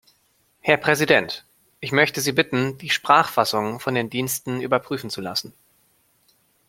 Herr Präsident! Ich möchte Sie bitten, die Sprachfassungen von den Diensten überprüfen zu lassen.